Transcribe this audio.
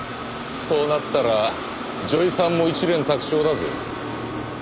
そうなったら女医さんも一蓮托生だぜ。